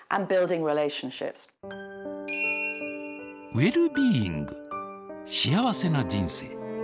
ウェルビーイング幸せな人生。